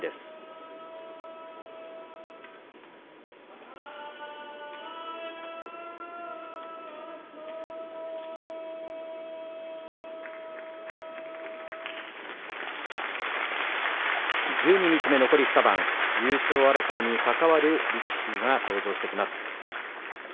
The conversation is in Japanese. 拍手十二日目、残り２番優勝争いに関わる力士が登場してきます。